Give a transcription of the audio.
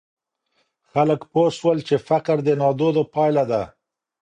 خلګ پوه سول چي فقر د نادودو پایله ده.